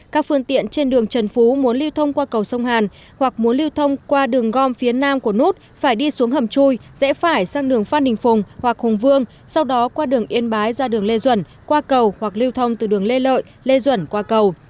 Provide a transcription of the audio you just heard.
các phương tiện trên đường trần phú muốn lưu thông qua cầu sông hàn hoặc muốn lưu thông qua đường gom phía nam của nút phải đi xuống hầm chui rẽ phải sang đường phát đình phùng hoặc hùng vương sau đó qua đường yên bái ra đường lê duẩn qua cầu hoặc lưu thông từ đường lê lợi lê duẩn qua cầu